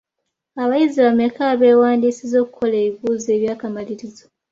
Abayizi bameka abeewandiisizza okukola ebibuuzo eby'akamalirizo?